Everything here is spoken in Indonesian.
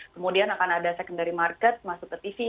kemudian akan ada secondary market masuk ke tv